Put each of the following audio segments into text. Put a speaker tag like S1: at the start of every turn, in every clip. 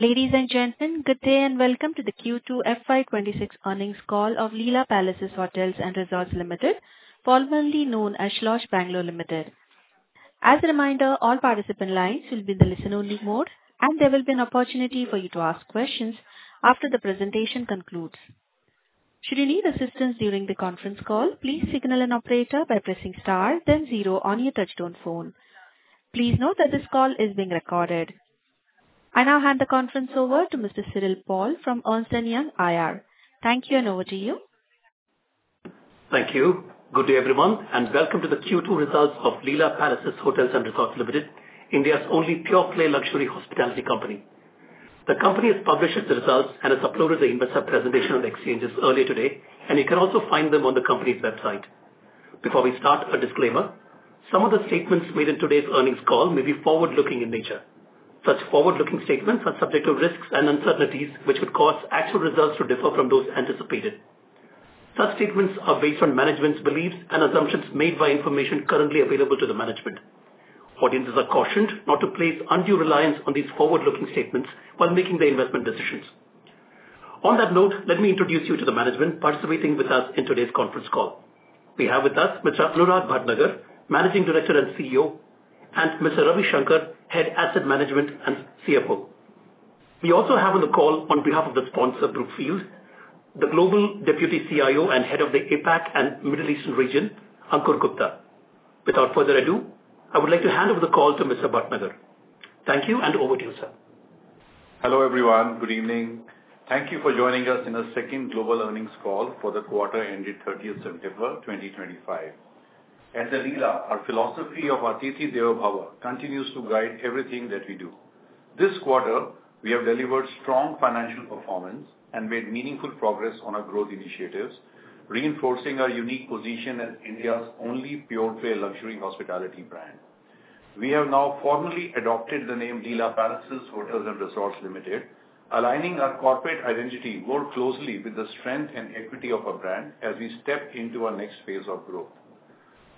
S1: Ladies and gentlemen, good day and welcome to the Q2 FY26 earnings call of Leela Palaces Hotels and Resorts Limited, formerly known as Schloss Bangalore Limited. As a reminder, all participant lines will be in the listen-only mode, and there will be an opportunity for you to ask questions after the presentation concludes. Should you need assistance during the conference call, please signal an operator by pressing star, then zero on your touch-tone phone. Please note that this call is being recorded. I now hand the conference over to Mr. Cyril Paul from Ernst & Young, IR. Thank you, and over to you.
S2: Thank you. Good day, everyone, and welcome to the Q2 results of Leela Palaces, Hotels and Resorts Limited, India's only pure-play luxury hospitality company. The company has published its results and has uploaded the investor presentation on the exchanges earlier today, and you can also find them on the company's website. Before we start, a disclaimer: some of the statements made in today's earnings call may be forward-looking in nature. Such forward-looking statements are subject to risks and uncertainties, which could cause actual results to differ from those anticipated. Such statements are based on management's beliefs and assumptions made by information currently available to the management. Audiences are cautioned not to place undue reliance on these forward-looking statements while making their investment decisions. On that note, let me introduce you to the management participating with us in today's conference call. We have with us Mr. Anurag Bhatnagar, Managing Director and CEO, and Mr. Ravi Shankar, Head Asset Management and CFO. We also have on the call, on behalf of the sponsor Brookfield, the Global Deputy CIO and Head of the APAC and Middle Eastern Region, Ankur Gupta. Without further ado, I would like to hand over the call to Mr. Bhatnagar. Thank you, and over to you, sir.
S3: Hello, everyone. Good evening. Thank you for joining us in our second global earnings call for the quarter-ending 30th September 2025. At the Leela, our philosophy of Atithi Devo Bhava continues to guide everything that we do. This quarter, we have delivered strong financial performance and made meaningful progress on our growth initiatives, reinforcing our unique position as India's only pure-play luxury hospitality brand. We have now formally adopted the name Leela Palaces, Hotels and Resorts Limited, aligning our corporate identity more closely with the strength and equity of our brand as we step into our next phase of growth.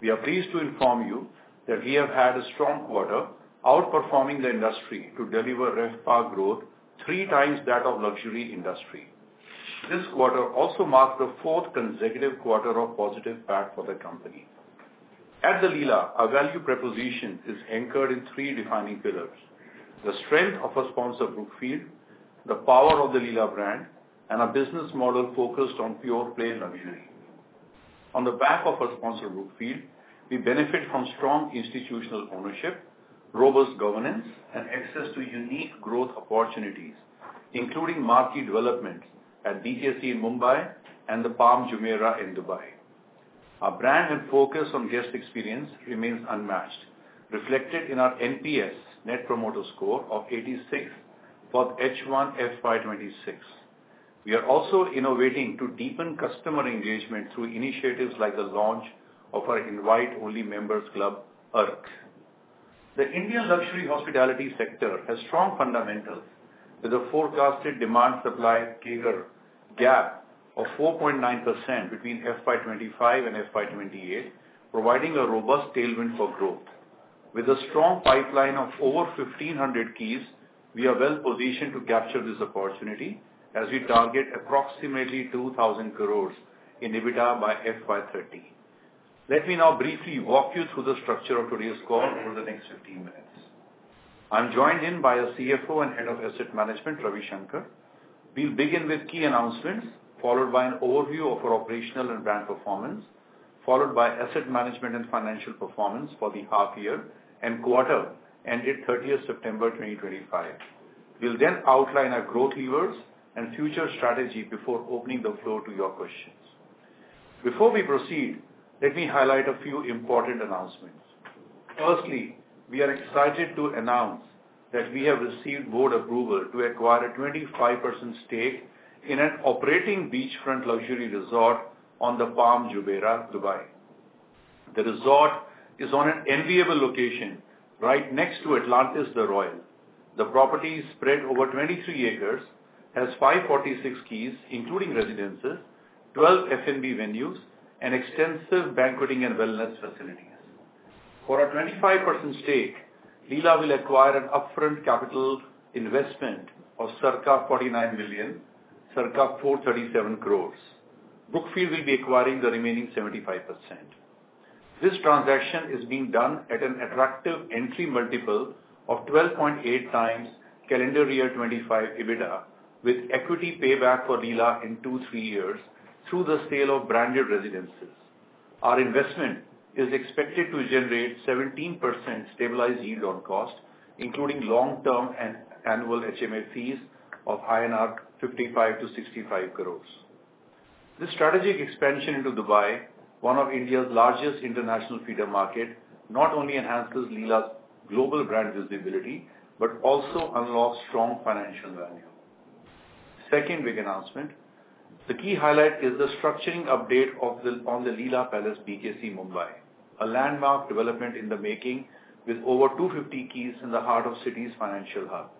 S3: We are pleased to inform you that we have had a strong quarter, outperforming the industry to deliver RevPAR growth three times that of the luxury industry. This quarter also marks the fourth consecutive quarter of positive PAT for the company. At the Leela, our value proposition is anchored in three defining pillars: the strength of our sponsor, Brookfield, the power of the Leela brand, and a business model focused on pure-play luxury. On the back of our sponsor, Brookfield, we benefit from strong institutional ownership, robust governance, and access to unique growth opportunities, including marquee developments at BKC in Mumbai and the Palm Jumeirah in Dubai. Our brand and focus on guest experience remain unmatched, reflected in our NPS Net Promoter Score of 86 for H1 FY26. We are also innovating to deepen customer engagement through initiatives like the launch of our invite-only members club, The Arc. The Indian luxury hospitality sector has strong fundamentals, with a forecasted demand-supply gap of 4.9% between FY25 and FY28, providing a robust tailwind for growth. With a strong pipeline of over 1,500 keys, we are well-positioned to capture this opportunity as we target approximately 2,000 crores in EBITDA by FY30. Let me now briefly walk you through the structure of today's call over the next 15 minutes. I'm joined in by our CFO and Head of Asset Management, Ravi Shankar. We'll begin with key announcements, followed by an overview of our operational and brand performance, followed by asset management and financial performance for the half-year and quarter-ending 30th September 2025. We'll then outline our growth levers and future strategy before opening the floor to your questions. Before we proceed, let me highlight a few important announcements. Firstly, we are excited to announce that we have received board approval to acquire a 25% stake in an operating beachfront luxury resort on the Palm Jumeirah, Dubai. The resort is on an enviable location right next to Atlantis The Royal. The property, spread over 23 acres, has 546 keys, including residences, 12 F&B venues, and extensive banqueting and wellness facilities. For our 25% stake, Leela will acquire an upfront capital investment of circa $49 million, circa INR 437 crores. Brookfield will be acquiring the remaining 75%. This transaction is being done at an attractive entry multiple of 12.8 times calendar year 2025 EBITDA, with equity payback for Leela in two to three years through the sale of branded residences. Our investment is expected to generate 17% stabilized yield on cost, including long-term and annual HMA fees of 55-65 crores. This strategic expansion into Dubai, one of India's largest international feeder markets, not only enhances Leela's global brand visibility but also unlocks strong financial value. Second big announcement: the key highlight is the structuring update on the The Leela Palace BKC Mumbai, a landmark development in the making with over 250 keys in the heart of the city's financial hub.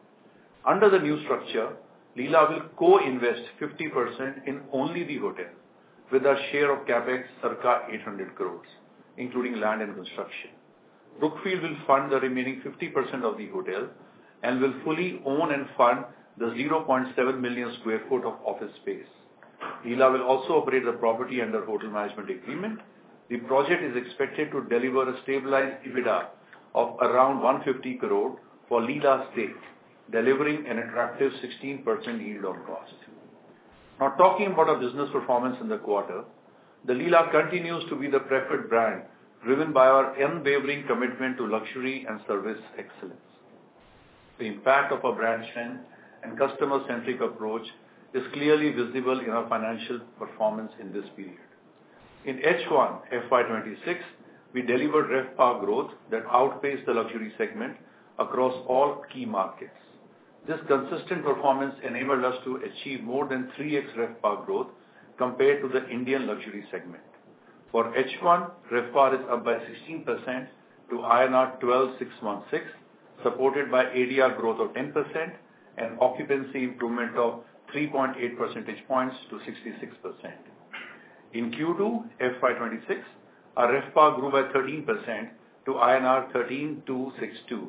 S3: Under the new structure, Leela will co-invest 50% in only the hotel, with a share of CapEx circa 800 crores, including land and construction. Brookfield will fund the remaining 50% of the hotel and will fully own and fund the 0.7 million sq ft of office space. Leela will also operate the property under a hotel management agreement. The project is expected to deliver a stabilized EBITDA of around 150 crore for Leela's stake, delivering an attractive 16% yield on cost. Now, talking about our business performance in the quarter, the Leela continues to be the preferred brand, driven by our unwavering commitment to luxury and service excellence. The impact of our brand strength and customer-centric approach is clearly visible in our financial performance in this period. In H1 FY26, we delivered RevPAR growth that outpaced the luxury segment across all key markets. This consistent performance enabled us to achieve more than 3x RevPAR growth compared to the Indian luxury segment. For H1, RevPAR is up by 16% to INR 12,616, supported by ADR growth of 10% and occupancy improvement of 3.8 percentage points to 66%. In Q2 FY26, our RevPAR grew by 13% to INR 13,262,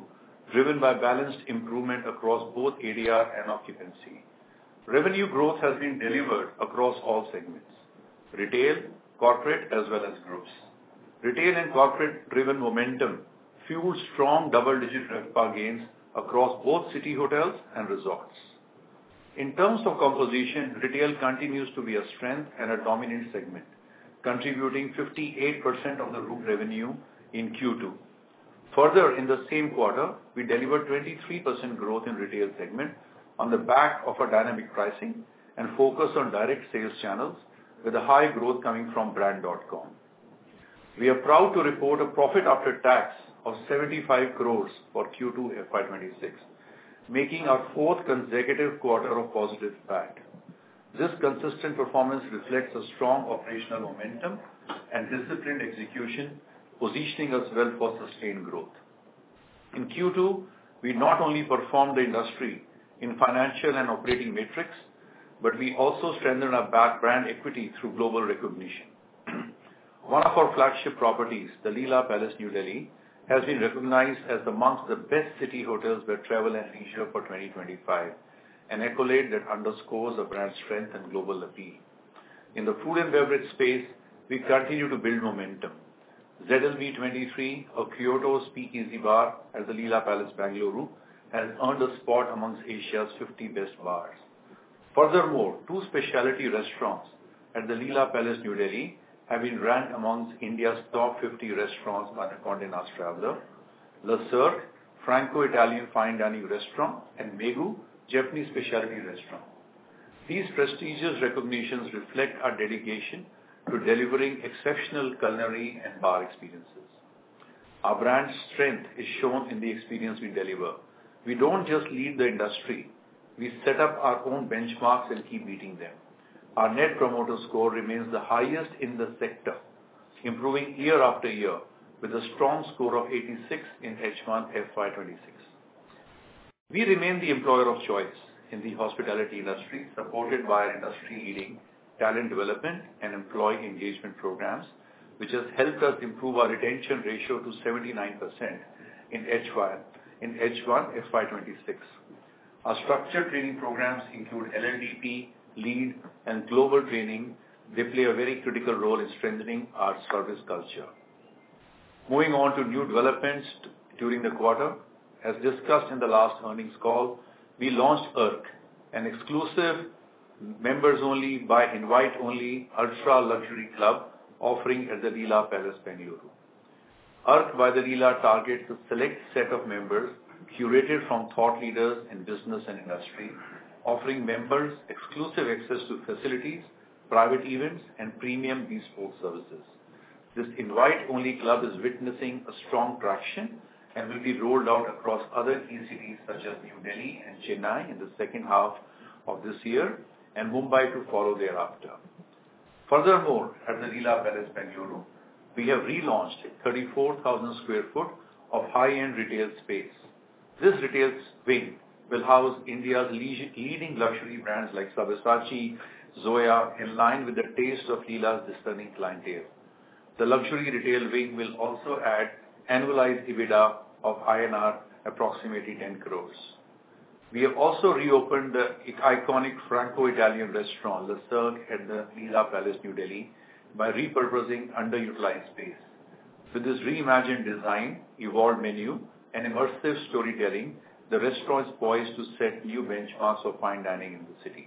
S3: driven by balanced improvement across both ADR and occupancy. Revenue growth has been delivered across all segments: retail, corporate, as well as groups. Retail and corporate-driven momentum fueled strong double-digit RevPAR gains across both city hotels and resorts. In terms of composition, retail continues to be a strength and a dominant segment, contributing 58% of the room revenue in Q2. Further, in the same quarter, we delivered 23% growth in the retail segment on the back of our dynamic pricing and focus on direct sales channels, with a high growth coming from brand.com. We are proud to report a profit after tax of 75 crores for Q2 FY26, making our fourth consecutive quarter of positive PAT. This consistent performance reflects a strong operational momentum and disciplined execution, positioning us well for sustained growth. In Q2, we not only performed the industry in financial and operating metrics, but we also strengthened our brand equity through global recognition. One of our flagship properties, The Leela Palace New Delhi, has been recognized as among the best city hotels by Travel + Leisure for 2025, an accolade that underscores our brand strength and global appeal. In the food and beverage space, we continue to build momentum. ZLB23, a Kyoto speakeasy bar at The Leela Palace Bangalore, has earned a spot among Asia's 50 best bars. Furthermore, two specialty restaurants at The Leela Palace New Delhi have been ranked among India's top 50 restaurants by the Condé Nast Traveller: Le Cirque, Franco-Italian fine dining restaurant, and Megu, Japanese specialty restaurant. These prestigious recognitions reflect our dedication to delivering exceptional culinary and bar experiences. Our brand strength is shown in the experience we deliver. We don't just lead the industry. We set up our own benchmarks and keep beating them. Our net promoter score remains the highest in the sector, improving year after year with a strong score of 86 in H1 FY26. We remain the employer of choice in the hospitality industry, supported by our industry-leading talent development and employee engagement programs, which has helped us improve our retention ratio to 79% in H1 FY26. Our structured training programs include LLDP, LEAD, and global training. They play a very critical role in strengthening our service culture. Moving on to new developments during the quarter, as discussed in the last earnings call, we launched The Arc, an exclusive members-only by invite-only ultra-luxury club offering at The Leela Palace Bangalore. The Arc by The Leela targets a select set of members curated from thought leaders in business and industry, offering members exclusive access to facilities, private events, and premium esports services. This invite-only club is witnessing a strong traction and will be rolled out across other assets such as New Delhi and Chennai in the second half of this year and Mumbai to follow thereafter. Furthermore, at The Leela Palace Bangalore, we have relaunched 34,000 sq ft of high-end retail space. This retail wing will house India's leading luxury brands like Sabyasachi, Zoya in line with the taste of Leela's discerning clientele. The luxury retail wing will also add annualized EBITDA of INR approximately 10 crores. We have also reopened the iconic Franco-Italian restaurant, Le Cirque, at the Leela Palace New Delhi by repurposing underutilized space. With this reimagined design, evolved menu, and immersive storytelling, the restaurant is poised to set new benchmarks for fine dining in the city.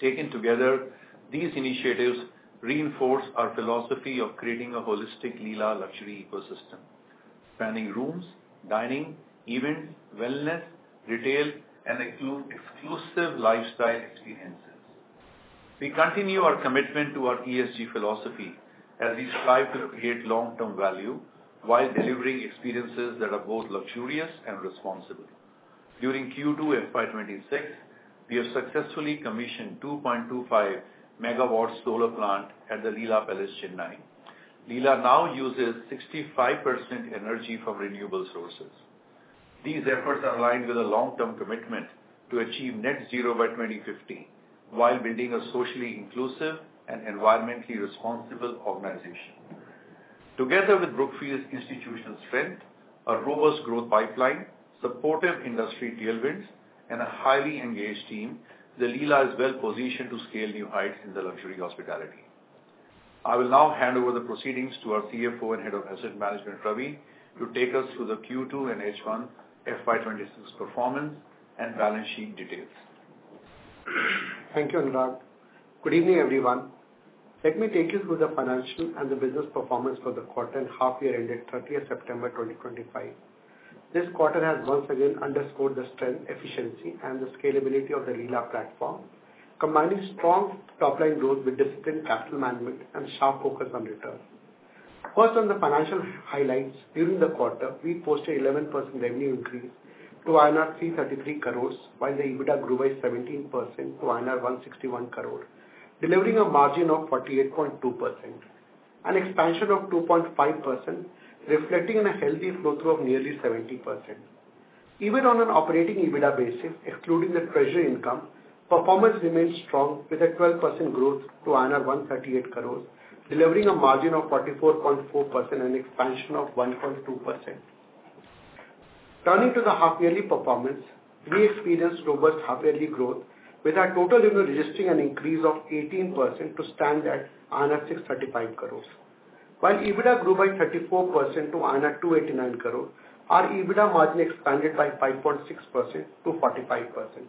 S3: Taken together, these initiatives reinforce our philosophy of creating a holistic Leela luxury ecosystem, spanning rooms, dining, events, wellness, retail, and exclusive lifestyle experiences. We continue our commitment to our ESG philosophy as we strive to create long-term value while delivering experiences that are both luxurious and responsible. During Q2 FY26, we have successfully commissioned a 2.25 megawatt solar plant at the Leela Palace Chennai. Leela now uses 65% energy from renewable sources. These efforts are aligned with a long-term commitment to achieve net zero by 2050 while building a socially inclusive and environmentally responsible organization. Together with Brookfield's institutional strength, a robust growth pipeline, supportive industry tailwinds, and a highly engaged team, The Leela is well-positioned to scale new heights in the luxury hospitality. I will now hand over the proceedings to our CFO and Head of Asset Management, Ravi, to take us through the Q2 and H1 FY26 performance and balance sheet details.
S4: Thank you, Anurag. Good evening, everyone. Let me take you through the financial and the business performance for the quarter-end half-year ending 30th September 2025. This quarter has once again underscored the strength, efficiency, and the scalability of The Leela platform, combining strong top-line growth with disciplined capital management and sharp focus on return. First, on the financial highlights, during the quarter, we posted an 11% revenue increase to INR 333 crores, while the EBITDA grew by 17% to INR 161 crore, delivering a margin of 48.2%, an expansion of 2.5%, reflecting a healthy flow through of nearly 70%. Even on an operating EBITDA basis, excluding the treasury income, performance remained strong with a 12% growth to INR 138 crore, delivering a margin of 44.4% and an expansion of 1.2%. Turning to the half-yearly performance, we experienced robust half-yearly growth with our total revenue registering an increase of 18% to stand at INR 635 crores. While EBITDA grew by 34% to INR 289 crore, our EBITDA margin expanded by 5.6% to 45%,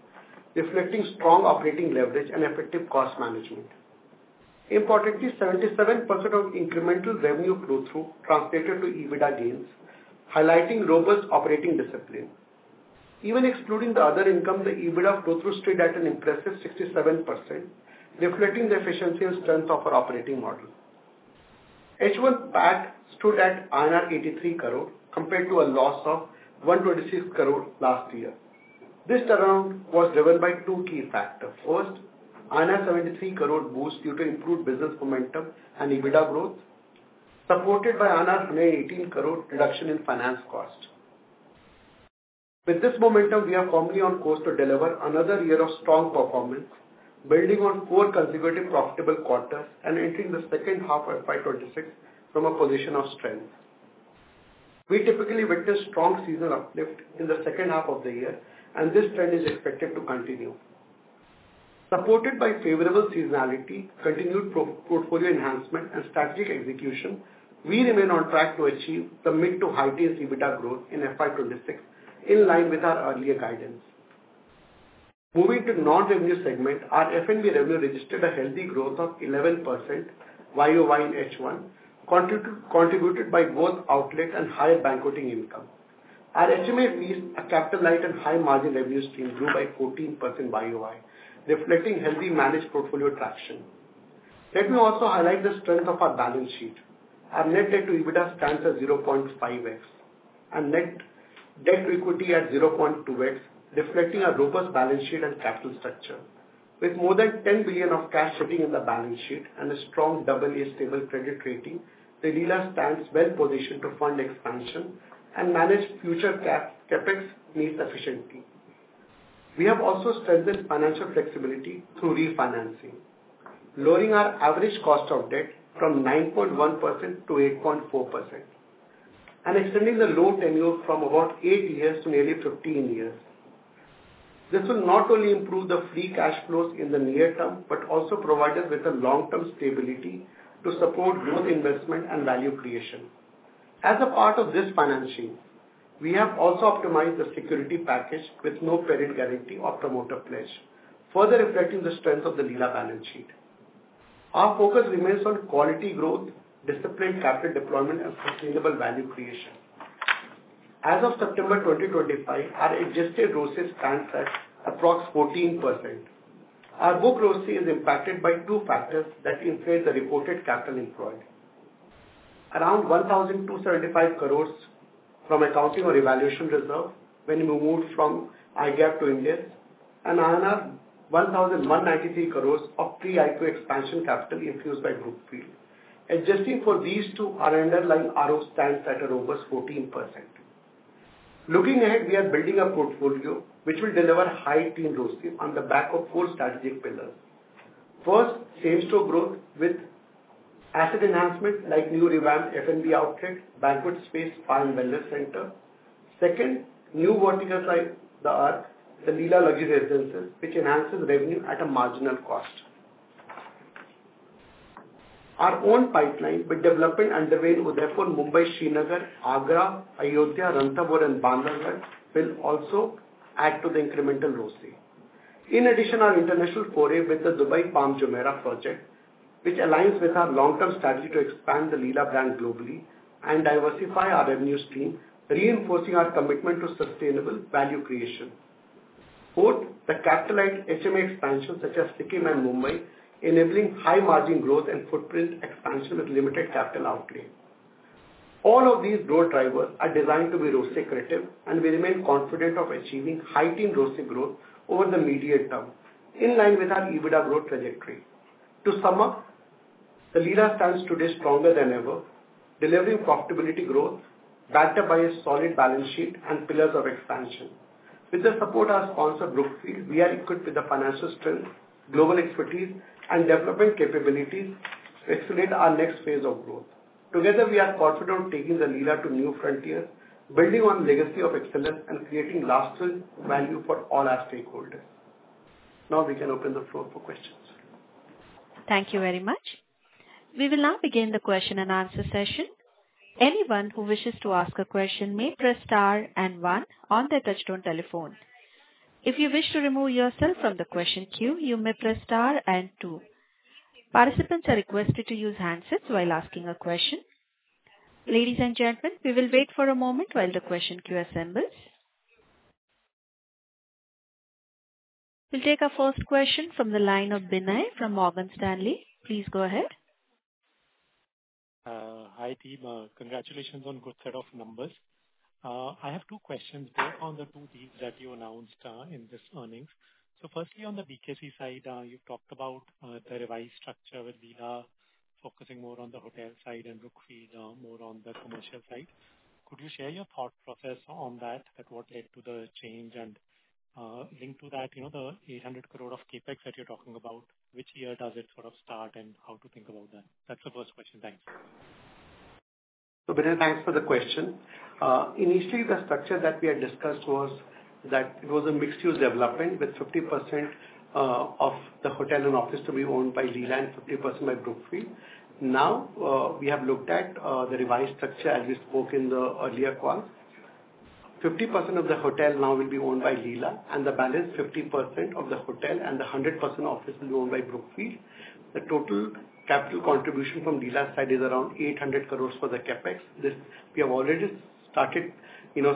S4: reflecting strong operating leverage and effective cost management. Importantly, 77% of incremental revenue flow-through translated to EBITDA gains, highlighting robust operating discipline. Even excluding the other income, the EBITDA flow-through stayed at an impressive 67%, reflecting the efficiency and strength of our operating model. H1 PAT stood at 83 crore compared to a loss of 126 crore last year. This turnaround was driven by two key factors: first, 73 crore boost due to improved business momentum and EBITDA growth, supported by 118 crore reduction in finance cost. With this momentum, we are firmly on course to deliver another year of strong performance, building on four consecutive profitable quarters and entering the second half of FY26 from a position of strength. We typically witness strong seasonal uplift in the second half of the year, and this trend is expected to continue. Supported by favorable seasonality, continued portfolio enhancement, and strategic execution, we remain on track to achieve the mid-to-high-tier EBITDA growth in FY26 in line with our earlier guidance. Moving to the non-room segment, our F&B revenue registered a healthy growth of 11% YoY in H1, contributed by both outlet and higher banqueting income. Our HMA fees, a capital-light and high-margin revenue stream, grew by 14% YoY, reflecting healthy managed portfolio traction. Let me also highlight the strength of our balance sheet. Our net debt to EBITDA stands at 0.5x, and net debt to equity at 0.2x, reflecting a robust balance sheet and capital structure. With more than 10 billion of cash sitting in the balance sheet and a strong AA stable credit rating, The Leela stands well-positioned to fund expansion and manage future CapEx needs efficiently. We have also strengthened financial flexibility through refinancing, lowering our average cost of debt from 9.1% to 8.4%, and extending the loan tenure from about eight years to nearly 15 years. This will not only improve the free cash flows in the near term but also provide us with a long-term stability to support both investment and value creation. As a part of this financing, we have also optimized the security package with no parent guarantee or promoter pledge, further reflecting the strength of The Leela balance sheet. Our focus remains on quality growth, disciplined capital deployment, and sustainable value creation. As of September 2025, our adjusted ROCE stands at approximately 14%. Our book ROCE is impacted by two factors that inflate the reported capital employed: around 1,275 crores from accounting revaluation reserve when we moved from IGAAP to Ind AS, and INR 1,193 crores of pre-IPO expansion capital infused by Brookfield. Adjusting for these two, our underlying ROCE stands at a robust 14%. Looking ahead, we are building a portfolio which will deliver high-teens ROCE on the back of four strategic pillars. First, same-store growth with asset enhancement like new revamped F&B outlet, banquet space, spa and wellness center. Second, new verticals like The Arc, The Leela Luxury Residences, which enhances revenue at a marginal cost. Our own pipeline, with development underway in Udaipur, Mumbai, Srinagar, Agra, Ayodhya, Ranthambore, and Bandhavgarh, will also add to the incremental ROCE. In addition, our international foray with the Dubai Palm Jumeirah project, which aligns with our long-term strategy to expand The Leela brand globally and diversify our revenue stream, reinforcing our commitment to sustainable value creation. Fourth, the capital-light HMA expansion such as Sikkim and Mumbai, enabling high-margin growth and footprint expansion with limited capital outlay. All of these growth drivers are designed to be grossly accretive, and we remain confident of achieving high-teens gross growth over the medium term in line with our EBITDA growth trajectory. To sum up, the Leela stands today stronger than ever, delivering profitability growth backed up by a solid balance sheet and pillars of expansion. With the support of our sponsor, Brookfield, we are equipped with the financial strength, global expertise, and development capabilities to accelerate our next phase of growth. Together, we are confident of taking the Leela to new frontiers, building on the legacy of excellence, and creating lasting value for all our stakeholders. Now we can open the floor for questions.
S1: Thank you very much. We will now begin the question and answer session. Anyone who wishes to ask a question may press star and one on their touch-tone telephone. If you wish to remove yourself from the question queue, you may press star and two. Participants are requested to use handsets while asking a question. Ladies and gentlemen, we will wait for a moment while the question queue assembles. We'll take our first question from the line of Binay from Morgan Stanley. Please go ahead.
S5: Hi team, congratulations on a good set of numbers. I have two questions based on the two things that you announced in this earnings. So firstly, on the BKC side, you've talked about the revised structure with Leela, focusing more on the hotel side and Brookfield, more on the commercial side. Could you share your thought process on that? What led to the change, and link to that, the ₹800 crore of CapEx that you're talking about? Which year does it sort of start, and how to think about that? That's the first question.
S3: Thanks, so Binay, thanks for the question. Initially, the structure that we had discussed was that it was a mixed-use development with 50% of the hotel and office to be owned by Leela and 50% by Brookfield. Now we have looked at the revised structure as we spoke in the earlier call. 50% of the hotel now will be owned by Leela, and the balance, 50% of the hotel and the 100% office will be owned by Brookfield. The total capital contribution from Leela's side is around 800 crores for the CapEx. We have already started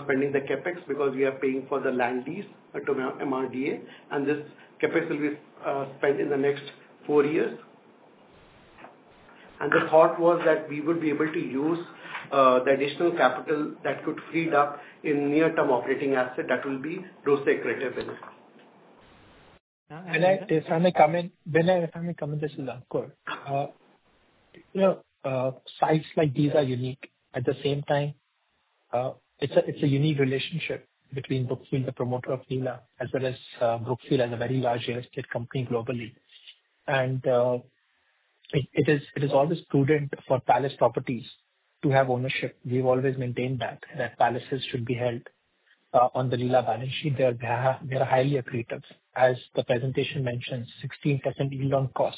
S3: spending the CapEx because we are paying for the land lease to MMRDA, and this CapEx will be spent in the next four years, and the thought was that we would be able to use the additional capital that could be freed up in near-term operating asset that will be grossly accretive in it. And I just want to comment, Binay, if I may comment. This is Ankur. Sites like these are unique. At the same time, it's a unique relationship between Brookfield, the promoter of Leela, as well as Brookfield as a very large real estate company globally. And it is always prudent for palace properties to have ownership. We've always maintained that, that palaces should be held on the Leela balance sheet. They are highly accretive. As the presentation mentioned, 16% yield on cost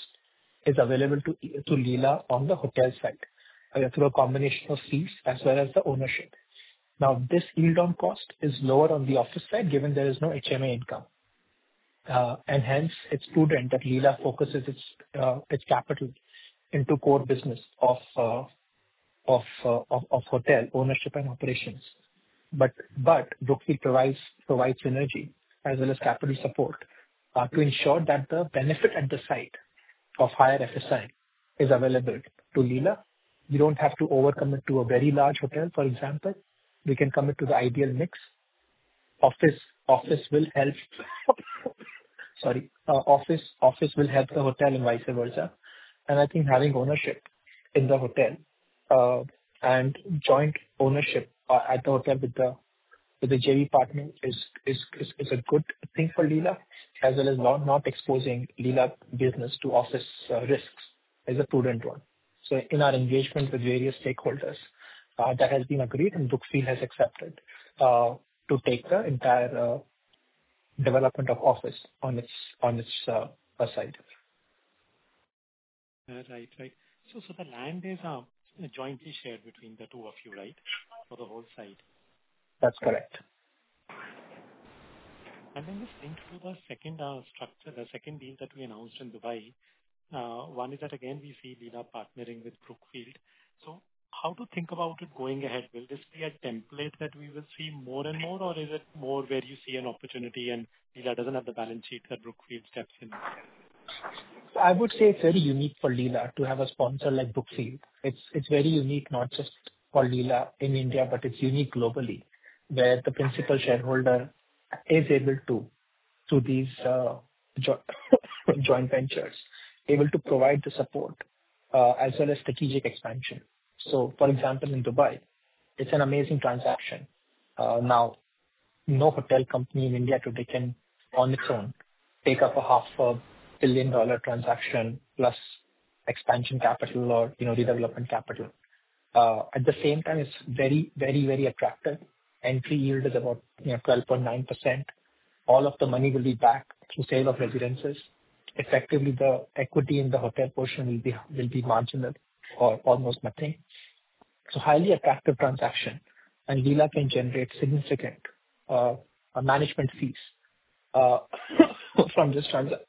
S3: is available to Leela on the hotel side through a combination of fees as well as the ownership. Now, this yield on cost is lower on the office side given there is no HMA income. Hence, it's prudent that Leela focuses its capital into core business of hotel ownership and operations. But Brookfield provides synergy as well as capital support to ensure that the benefit at the site of higher FSI is available to Leela. You don't have to overcommit to a very large hotel, for example. We can commit to the ideal mix. Office will hotel the hotel and vice versa. I think having ownership in the hotel and joint ownership at the hotel with the JV partner is a good thing for Leela, as well as not exposing Leela's business to office risks is a prudent one. So in our engagement with various stakeholders, that has been agreed, and Brookfield has accepted to take the entire development of office on its side.
S5: All right, right. So the land is jointly shared between the two of you, right, for the whole site?
S3: That's correct.
S5: And then just link to the second structure, the second deal that we announced in Dubai. One is that, again, we see Leela partnering with Brookfield. So how to think about it going ahead? Will this be a template that we will see more and more, or is it more where you see an opportunity and Leela doesn't have the balance sheet that Brookfield steps in?
S3: I would say it's very unique for Leela to have a sponsor like Brookfield. It's very unique, not just for Leela in India, but it's unique globally, where the principal shareholder is able to do these joint ventures, able to provide the support as well as strategic expansion. So for example, in Dubai, it's an amazing transaction. Now, no hotel company in India today can, on its own, take up a $500 million transaction plus expansion capital or redevelopment capital. At the same time, it's very, very, very attractive. Entry yield is about 12.9%. All of the money will be back through sale of residences. Effectively, the equity in the hotel portion will be marginal or almost nothing. So highly attractive transaction. And Leela can generate significant management fees from this transaction.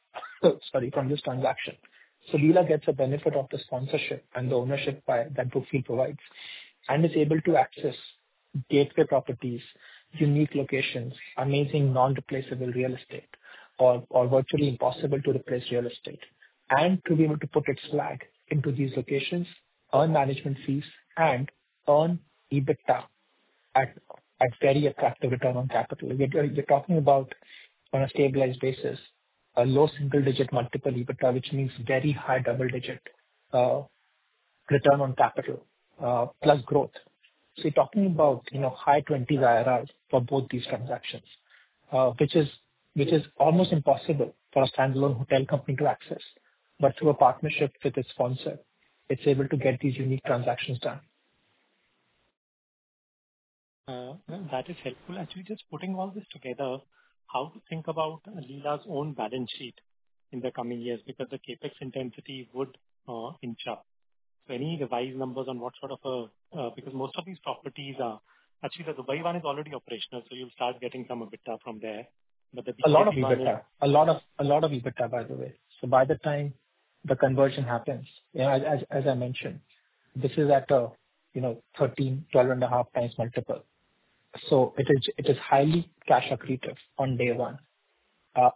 S3: Sorry, from this transaction. So Leela gets a benefit of the sponsorship and the ownership that Brookfield provides and is able to access gateway properties, unique locations, amazing non-replaceable real estate, or virtually impossible to replace real estate. And to be able to put its flag into these locations, earn management fees, and earn EBITDA at very attractive return on capital. We're talking about, on a stabilized basis, a low single-digit multiple EBITDA, which means very high double-digit return on capital plus growth. So you're talking about high 20s IRRs for both these transactions, which is almost impossible for a standalone hotel company to access. But through a partnership with its sponsor, it's able to get these unique transactions done.
S5: That is helpful. Actually, just putting all this together, how to think about Leela's own balance sheet in the coming years because the CapEx intensity would inch up. So any revised numbers on what sort of a because most of these properties are? Actually the Dubai one is already operational, so you'll start getting some EBITDA from there, but the BKC side.
S3: A lot of EBITDA. A lot of EBITDA, by the way. So by the time the conversion happens, as I mentioned, this is at a 13-12.5 times multiple. So it is highly cash accretive on day one.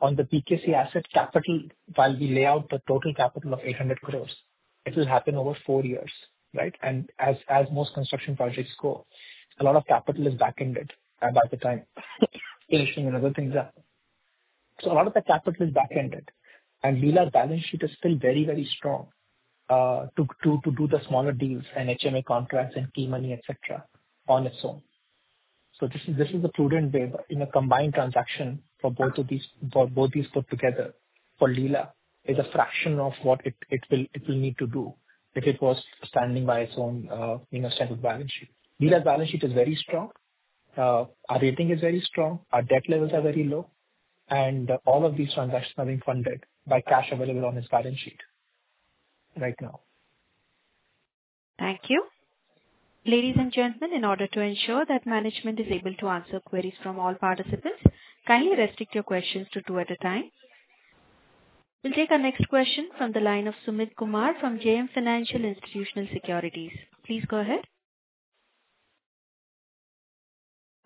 S3: On the BKC asset capital, while we lay out the total capital of 800 crores, it will happen over four years, right? As most construction projects go, a lot of capital is back-ended by the time finishing and other things up. So a lot of the capital is back-ended. And Leela's balance sheet is still very, very strong to do the smaller deals and HMA contracts and key money, etc., on its own. So this is a prudent way. In a combined transaction for both these put together, for Leela, it's a fraction of what it will need to do if it was standing by its own standard balance sheet. Leela's balance sheet is very strong. Our rating is very strong. Our debt levels are very low. All of these transactions are being funded by cash available on its balance sheet right now.
S5: Thank you.
S1: Ladies and gentlemen, in order to ensure that management is able to answer queries from all participants, kindly restrict your questions to two at a time. We'll take our next question from the line of Sumit Kumar from JM Financial Institutional Securities. Please go ahead.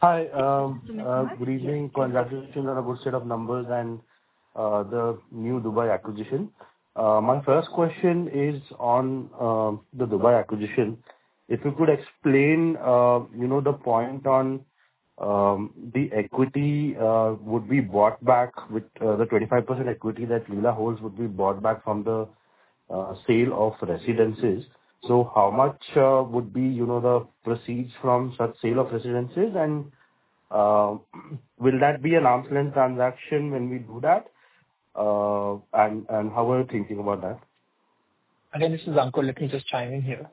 S1: Good evening. Congratulations on a good set of numbers and the new Dubai acquisition. My first question is on the Dubai acquisition. If you could explain the point on the equity that would be bought back with the 25% equity that Leela holds would be bought back from the sale of residences? So how much would be the proceeds from such sale of residences? And will that be an arm's length transaction when we do that? How are you thinking about that? Again, this is Ankur. Let me just chime in here.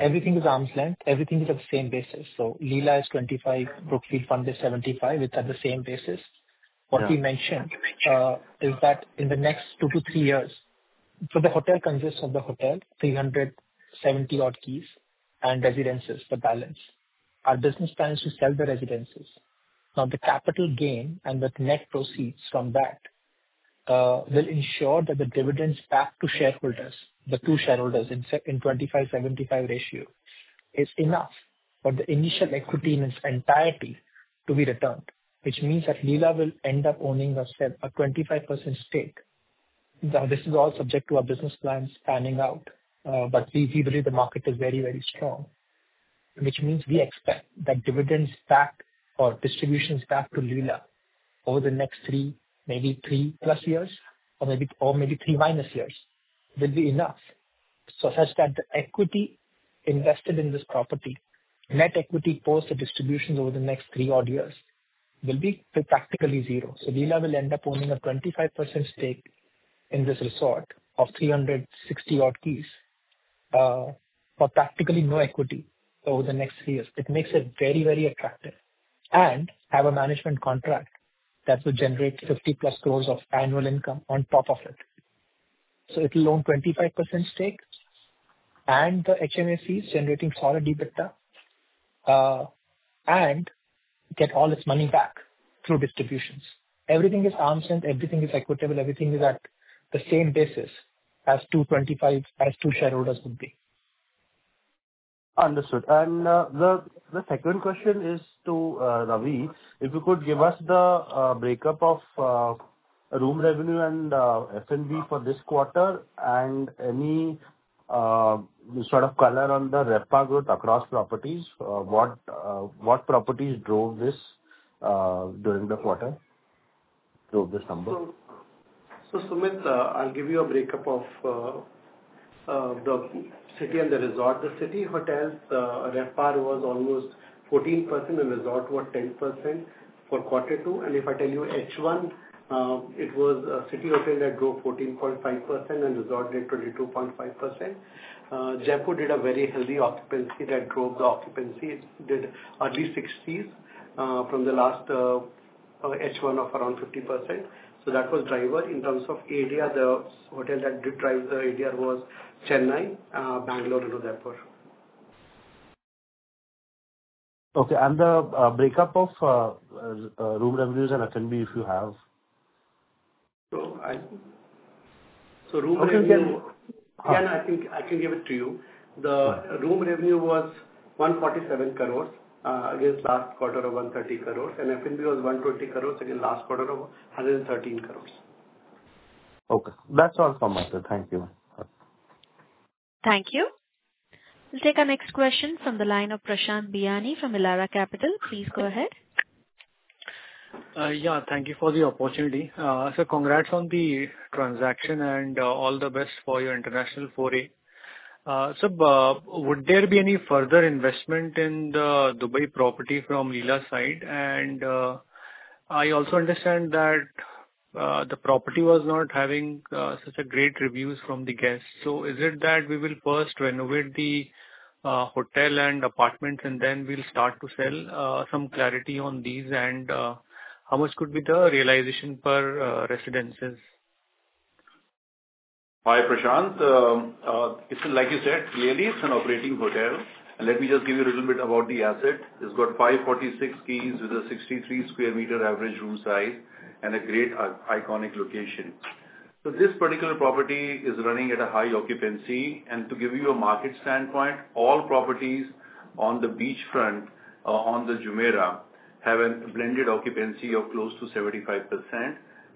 S1: Everything is arm's length. Everything is at the same basis. So, Leela is 25, Brookfield Fund is 75. It's at the same basis. What we mentioned is that in the next two to three years, so the hotel consists of the hotel, 370 odd keys, and residences, the balance. Our business plans to sell the residences. Now, the capital gain and the net proceeds from that will ensure the dividends back to shareholders, the two shareholders in 25-75 ratio, is enough for the initial equity in its entirety to be returned, which means that Leela will end up owning a 25% stake. Now, this is all subject to our business plans panning out, but we believe the market is very, very strong, which means we expect that dividends back or distributions back to Leela over the next three, maybe three plus years, or maybe three minus years will be enough such that the equity invested in this property, net equity post distributions over the next three odd years, will be practically zero. So Leela will end up owning a 25% stake in this resort of 360 odd keys for practically no equity over the next three years. It makes it very, very attractive and have a management contract that will generate 50 plus crores of annual income on top of it. So it'll own 25% stake and the HMA fees, generating solid EBITDA, and get all its money back through distributions. Everything is arm's length. Everything is equitable. Everything is at the same basis as two shareholders would be. Understood. And the second question is to Ravi. If you could give us the breakup of room revenue and F&B for this quarter and any sort of color on the RevPAR growth across properties, what properties drove this during the quarter, drove this number?
S4: So Sumit, I'll give you a breakup of the city and the resort. The city hotels, RevPAR was almost 14%. The resort was 10% for Q2. And if I tell you H1, it was a city hotel that drove 14.5% and resort did 22.5%. Jaipur did a very healthy occupancy that drove the occupancy. It did early 60s from the last H1 of around 50%. So that was driver. In terms of ADR, the hotel that did drive the ADR was Chennai, Bangalore, and Jaipur. Okay. And the breakup of room revenues and F&B, if you have?
S6: So room revenue. Okay. Again, I can give it to you. The room revenue was 147 crores against last quarter of 130 crores. F&B was 120 crores against last quarter of 113 crores. Okay. That's all from my side. Thank you.
S1: Thank you. We'll take our next question from the line of Prashant Biyani from Elara Capital. Please go ahead.
S7: Yeah. Thank you for the opportunity. So congrats on the transaction and all the best for your international foray. So would there be any further investment in the Dubai property from Leela's side? I also understand that the property was not having such great reviews from the guests. So is it that we will first renovate the hotel and apartments and then we'll start to sell? Some clarity on these and how much could be the realization per residences?
S3: Hi Prashant. Like you said, clearly, it's an operating hotel. Let me just give you a little bit about the asset. It's got 546 keys with a 63 sq m average room size and a great iconic location. So this particular property is running at a high occupancy. And to give you a market standpoint, all properties on the beachfront on the Palm Jumeirah have a blended occupancy of close to 75%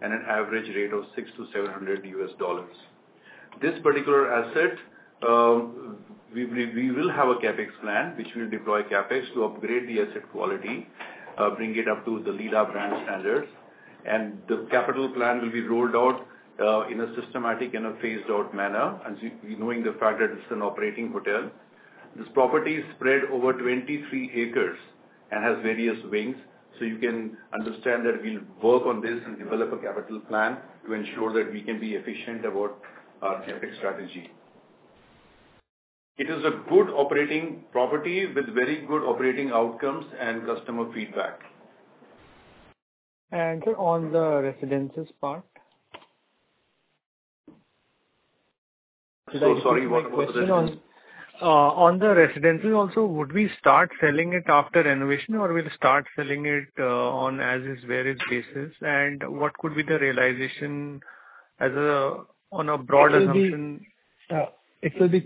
S3: and an average rate of $600-$700. This particular asset, we will have a CapEx plan, which we'll deploy CapEx to upgrade the asset quality, bring it up to The Leela brand standards. And the capital plan will be rolled out in a systematic and a phased-out manner, knowing the fact that it's an operating hotel. This property is spread over 23 acres and has various wings. So you can understand that we'll work on this and develop a capital plan to ensure that we can be efficient about our CapEx strategy. It is a good operating property with very good operating outcomes and customer feedback. And on the residences part? So sorry, what was the question?
S7: On the residences also, would we start selling it after renovation, or will we start selling it on as-is-where-is basis? And what could be the realization on a broad assumption?
S3: It will be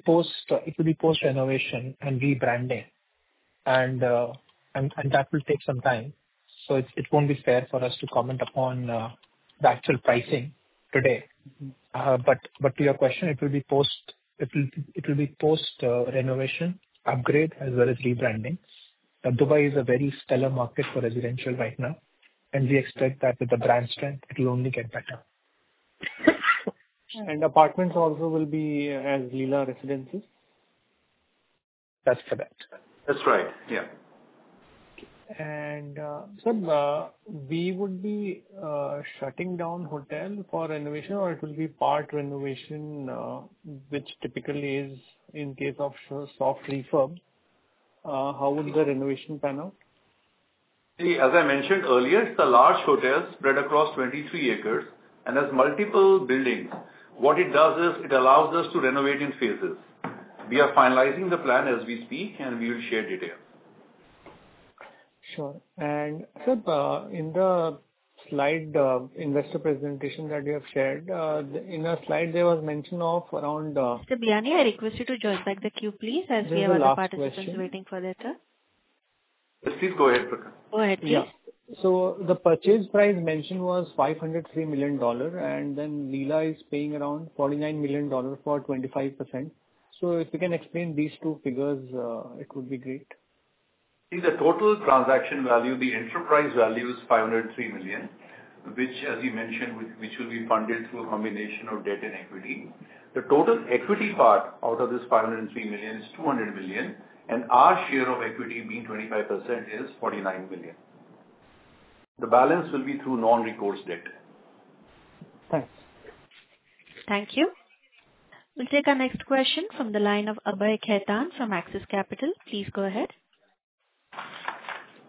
S3: post-renovation and rebranding. And that will take some time. So it won't be fair for us to comment upon the actual pricing today. But to your question, it will be post-renovation upgrade as well as rebranding. Dubai is a very stellar market for residential right now. We expect that with the brand strength, it will only get better.
S7: And apartments also will be as Leela Residences?
S3: That's correct. That's right. Yeah.
S7: And so we would be shutting down hotel for renovation, or it will be part renovation, which typically is in case of soft refurb. How would the renovation pan out?
S3: As I mentioned earlier, it's a large hotel spread across 23 acres and has multiple buildings. What it does is it allows us to renovate in phases. We are finalizing the plan as we speak, and we will share details.
S7: Sure. And in the slide investor presentation that you have shared, in a slide, there was mention of around—
S1: Mr. Biyani, I request you to join back the queue, please, as we have other participants waiting for their turn.
S3: Please go ahead, Prashant.
S1: Go ahead, please.
S7: So the purchase price mentioned was $503 million, and then Leela is paying around $49 million for 25%. So if you can explain these two figures, it would be great.
S3: The total transaction value, the enterprise value is $503 million, which, as you mentioned, will be funded through a combination of debt and equity. The total equity part out of this $503 million is $200 million, and our share of equity being 25% is $49 million. The balance will be through non-recourse debt.
S7: Thanks.
S1: Thank you. We'll take our next question from the line of Abhay Khaitan from Axis Capital. Please go ahead.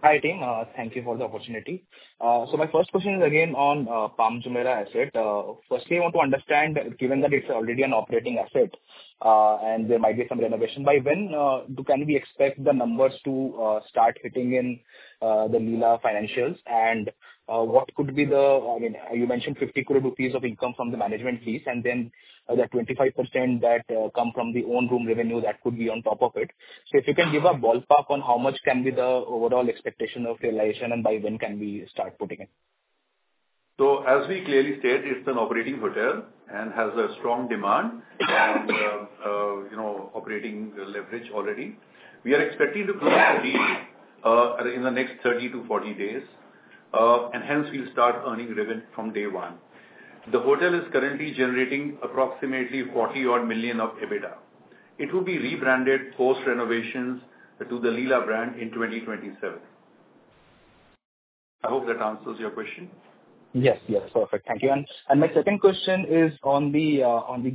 S8: Hi team. Thank you for the opportunity. So my first question is again on Palm Jumeirah asset. Firstly, I want to understand, given that it's already an operating asset and there might be some renovation, by when can we expect the numbers to start hitting in The Leela financials? And what could be the, I mean, you mentioned 50 crore rupees of income from the management fees, and then the 25% that come from the own room revenue that could be on top of it. So if you can give a ballpark on how much can be the overall expectation of realization and by when can we start putting it?
S3: So as we clearly stated, it's an operating hotel and has a strong demand and operating leverage already. We are expecting to close the deal in the next 30-40 days, and hence we'll start earning revenue from day one. The hotel is currently generating approximately $40-odd million of EBITDA. It will be rebranded post-renovations to The Leela brand in 2027. I hope that answers your question.
S8: Yes. Yes. Perfect. Thank you. And my second question is on the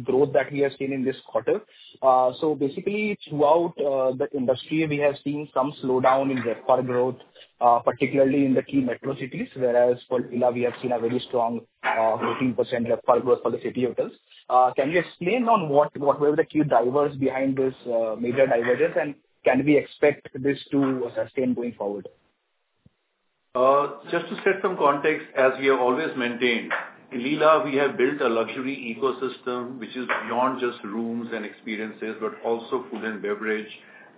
S8: growth that we have seen in this quarter. So basically, throughout the industry, we have seen some slowdown in RevPAR growth, particularly in the key metro cities, whereas for Leela, we have seen a very strong 14% RevPAR growth for the city hotels. Can you explain on what were the key drivers behind this major divergence, and can we expect this to sustain going forward?
S3: Just to set some context, as we have always maintained, in Leela, we have built a luxury ecosystem which is beyond just rooms and experiences, but also food and beverage,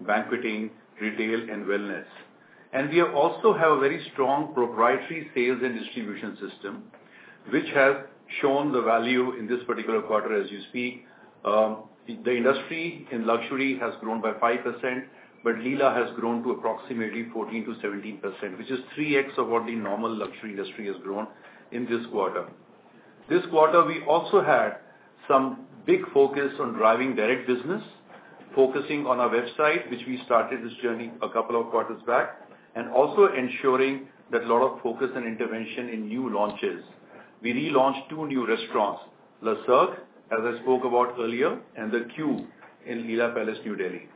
S3: banqueting, retail, and wellness. We also have a very strong proprietary sales and distribution system, which has shown the value in this particular quarter as you speak. The industry in luxury has grown by 5%, but Leela has grown to approximately 14%-17%, which is 3x of what the normal luxury industry has grown in this quarter. This quarter, we also had some big focus on driving direct business, focusing on our website, which we started this journey a couple of quarters back, and also ensuring that a lot of focus and intervention in new launches. We relaunched two new restaurants, Le Cirque, as I spoke about earlier, and The Qube in Leela Palace New Delhi.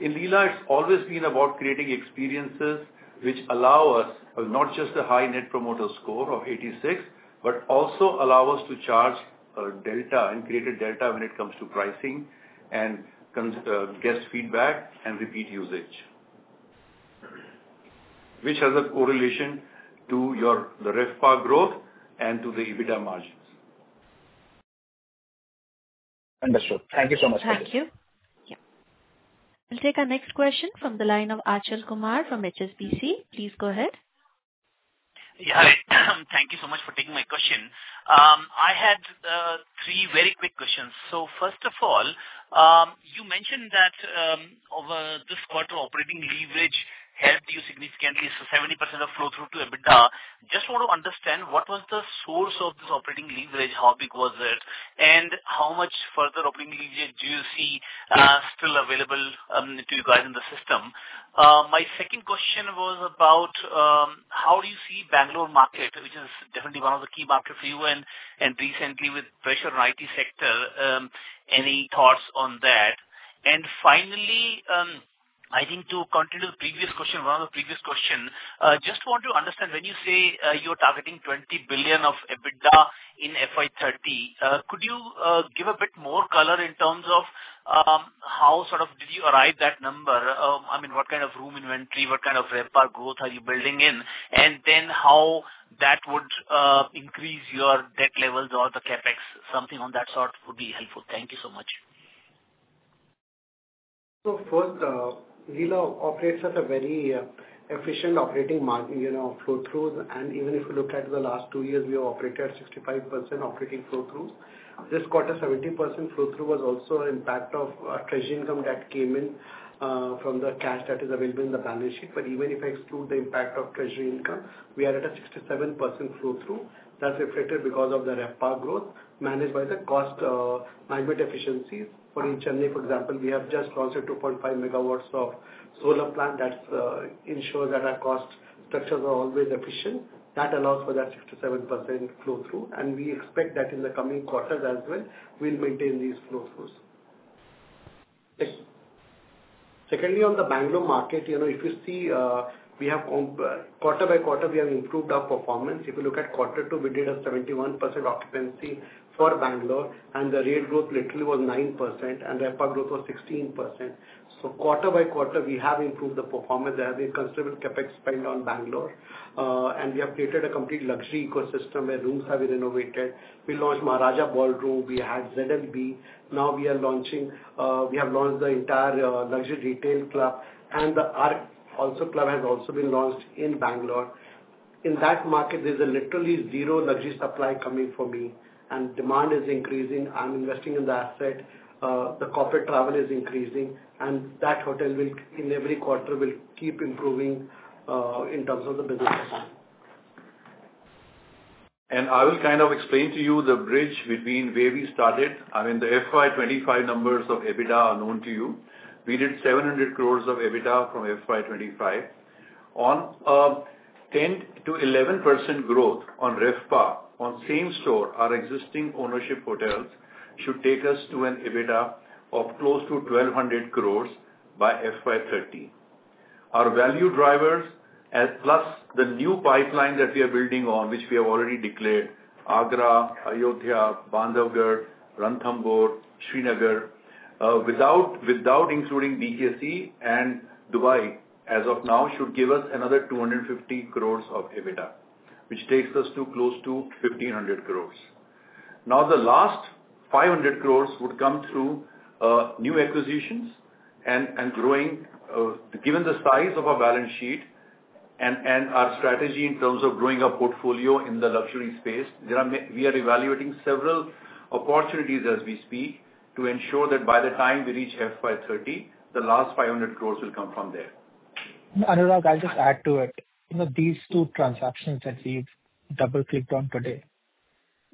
S3: In Leela, it's always been about creating experiences which allow us not just a high net promoter score of 86, but also allow us to charge a delta and create a delta when it comes to pricing and guest feedback and repeat usage, which has a correlation to the RevPAR growth and to the EBITDA margins.
S8: Understood. Thank you so much.
S1: Thank you. We'll take our next question from the line of Achal Kumar from HSBC. Please go ahead.
S9: Yeah. Thank you so much for taking my question. I had three very quick questions. So first of all, you mentioned that over this quarter, operating leverage helped you significantly, so 70% of flow-through to EBITDA. Just want to understand, what was the source of this operating leverage? How big was it? And how much further operating leverage do you see still available to you guys in the system? My second question was about how do you see Bangalore market, which is definitely one of the key markets for you, and recently with pressure on the IT sector? Any thoughts on that? And finally, I think to continue the previous question, one of the previous questions, I just want to understand, when you say you're targeting 20 billion of EBITDA in FY30, could you give a bit more color in terms of how sort of did you arrive at that number? I mean, what kind of room inventory, what kind of RevPAR growth are you building in, and then how that would increase your debt levels or the CapEx? Something on that sort would be helpful. Thank you so much.
S4: So first, Leela operates at a very efficient operating margin, flow-through, and even if you look at the last two years, we have operated at 65% operating flow-through. This quarter, 70% flow-through was also an impact of treasury income that came in from the cash that is available in the balance sheet, but even if I exclude the impact of treasury income, we are at a 67% flow-through. That's reflected because of the RevPAR growth managed by the cost management efficiencies. For instance, in Chennai, for example, we have just launched a 2.5 megawatts of solar plant that ensures that our cost structures are always efficient. That allows for that 67% flow-through, and we expect that in the coming quarters as well, we'll maintain these flow-throughs. Secondly, on the Bangalore market, if you see, quarter by quarter, we have improved our performance. If you look at Q2, we did a 71% occupancy for Bangalore, and the rate growth literally was 9%, and RevPAR growth was 16%, so quarter by quarter, we have improved the performance. There has been considerable CapEx spent on Bangalore, and we have created a complete luxury ecosystem where rooms have been renovated. We launched Maharaja Ballroom. We had ZLB23. Now we are launching we have launched the entire luxury retail club, and The Arc also club has also been launched in Bangalore. In that market, there's literally zero luxury supply coming for me, and demand is increasing. I'm investing in the asset. The corporate travel is increasing, and that hotel will, in every quarter, keep improving in terms of the business.
S3: And I will kind of explain to you the bridge between where we started. I mean, the FY25 numbers of EBITDA are known to you. We did 700 crores of EBITDA from FY25. On 10%-11% growth on RevPAR, on same store, our existing ownership hotels should take us to an EBITDA of close to 1,200 crores by FY30. Our value drivers, plus the new pipeline that we are building on, which we have already declared, Agra, Ayodhya, Bandhavgarh, Ranthambore, Srinagar, without including BKC and Dubai as of now, should give us another 250 crores of EBITDA, which takes us close to 1,500 crores. Now, the last 500 crores would come through new acquisitions and growing. Given the size of our balance sheet and our strategy in terms of growing our portfolio in the luxury space, we are evaluating several opportunities as we speak to ensure that by the time we reach FY30, the last 500 crores will come from there. Anurag, I'll just add to it.
S4: These two transactions that we've double-clicked on today,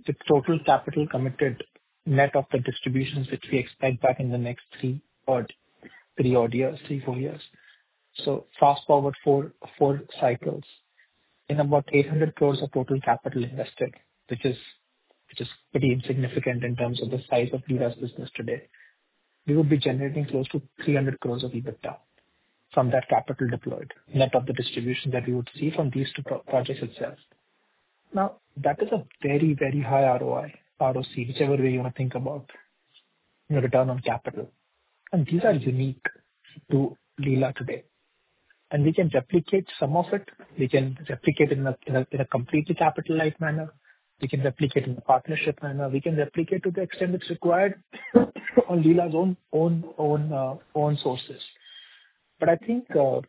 S4: the total capital committed net of the distributions which we expect back in the next three, four years. So fast forward four cycles, in about 800 crores of total capital invested, which is pretty insignificant in terms of the size of Leela's business today, we would be generating close to 300 crores of EBITDA from that capital deployed, net of the distributions that we would see from these two projects itself.
S3: Now, that is a very, very high ROI, ROC, whichever way you want to think about, return on capital. These are unique to Leela today. And we can replicate some of it. We can replicate it in a completely capital-like manner. We can replicate it in a partnership manner. We can replicate it to the extent it's required on Leela's own sources. But I think the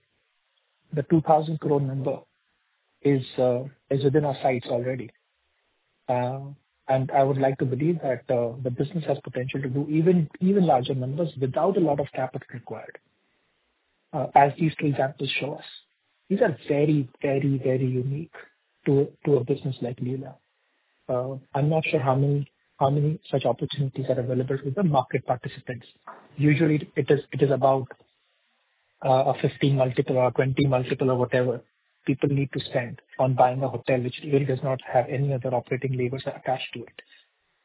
S3: 2,000 crore number is within our sights already. And I would like to believe that the business has potential to do even larger numbers without a lot of capital required, as these two examples show us. These are very, very, very unique to a business like Leela. I'm not sure how many such opportunities are available to the market participants. Usually, it is about a 15 multiple or 20 multiple or whatever people need to spend on buying a hotel, which really does not have any other operating levers attached to it.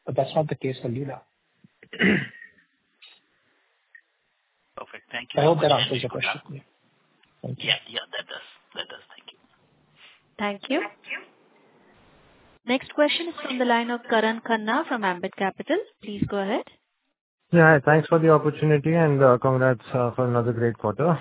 S3: But that's not the case for Leela.
S9: Perfect. Thank you.
S3: I hope that answers your question.
S9: Thank you. Yeah. Yeah. That does. That does. Thank you.
S1: Thank you. Next question is from the line of Karan Khanna from Ambit Capital. Please go ahead.
S10: Yeah. Thanks for the opportunity and congrats for another great quarter.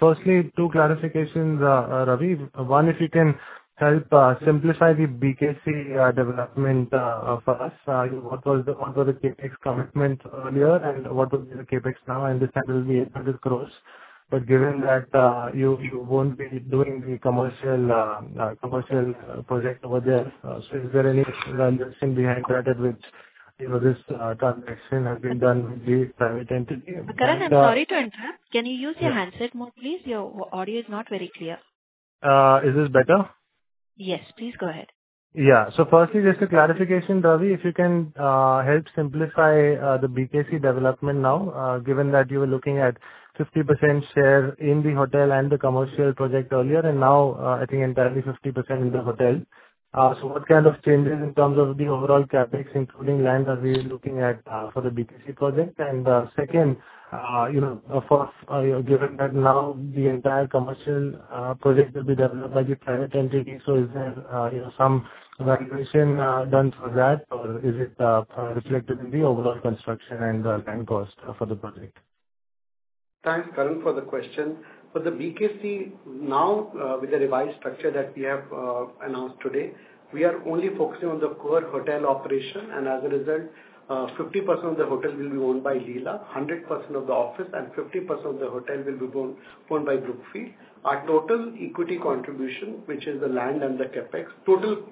S10: Firstly, two clarifications, Ravi. One, if you can help simplify the BKC development for us. What were the CapEx commitments earlier, and what will be the CapEx now? I understand it will be 800 crores, but given that you won't be doing the commercial project over there, so is there any transaction behind that which this transaction has been done with the private entity?
S1: Karan, I'm sorry to interrupt. Can you use your handset more, please? Your audio is not very clear.
S10: Is this better?
S1: Yes. Please go ahead.
S10: Yeah. So firstly, just a clarification, Ravi, if you can help simplify the BKC development now, given that you were looking at 50% share in the hotel and the commercial project earlier, and now, I think, entirely 50% in the hotel. So what kind of changes in terms of the overall CapEx, including land, are we looking at for the BKC project? And second, given that now the entire commercial project will be developed by the private entity, is there some valuation done for that, or is it reflected in the overall construction and land cost for the project?
S4: Thanks, Karan, for the question. For the BKC now, with the revised structure that we have announced today, we are only focusing on the core hotel operation, and as a result, 50% of the hotel will be owned by Leela, 100% of the office, and 50% of the hotel will be owned by Brookfield. Our total equity contribution, which is the land and the CapEx, total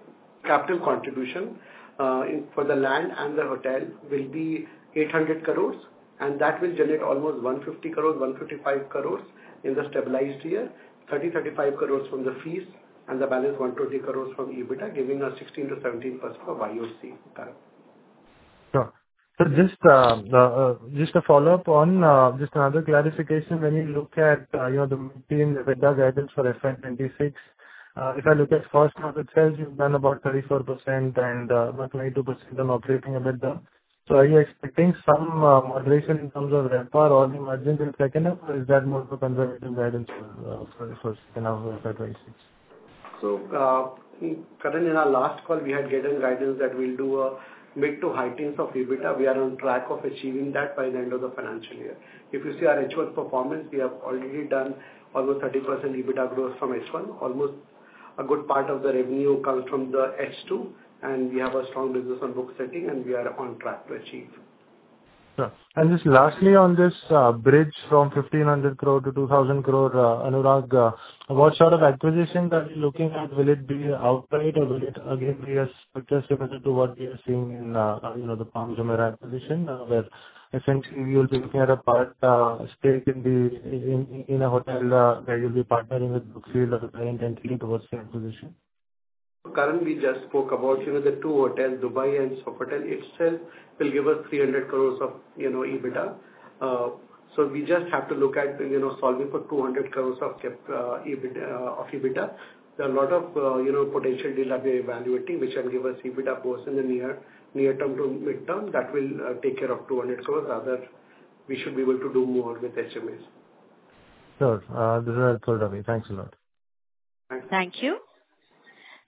S4: capital contribution for the land and the hotel will be 800 crores, and that will generate almost 150 crores, 155 crores in the stabilized year, 30-35 crores from the fees, and the balance 120 crores from EBITDA, giving us 16%-17% of IOC.
S10: Sure. So just a follow-up on just another clarification. When you look at the main EBITDA guidance for FY26, if I look at first month itself, you've done about 34% and about 22% on operating EBITDA. So are you expecting some moderation in terms of RevPAR or the margins in second half, or is that more of a conservative guidance for second half of FY26?
S4: So Karan, in our last call, we had given guidance that we'll do a mid-to high-teens EBITDA. We are on track of achieving that by the end of the financial year. If you see our H1 performance, we have already done almost 30% EBITDA growth from H1. Almost a good part of the revenue comes from the H2, and we have a strong business on book setting, and we are on track to achieve.
S10: Sure. And just lastly, on this bridge from 1,500 crore-2,000 crore, Anurag, what sort of acquisition are you looking at? Will it be outright, or will it again be a structure similar to what we are seeing in the Palm Jumeirah acquisition, where essentially we will be looking at a part stake in a hotel that you'll be partnering with Brookfield as a client entity towards the acquisition?
S4: Karan, we just spoke about the two hotels, Dubai and Sofitel itself, will give us 300 crores of EBITDA. So we just have to look at solving for 200 crores of EBITDA. There are a lot of potential deals that we are evaluating, which will give us EBITDA both in the near-term to mid-term. That will take care of 200 crores. Rather, we should be able to do more with HMAs.
S10: Sure. This is all, Ravi. Thanks a lot.
S1: Thank you.